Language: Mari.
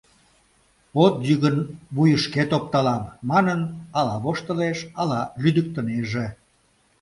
От йӱ гын, вуйышкет опталам! — манын, ала воштылеш, ала лӱдыктынеже.